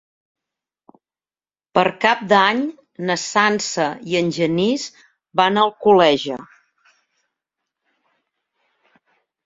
Per Cap d'Any na Sança i en Genís van a Alcoleja.